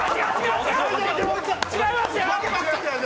違いますよ。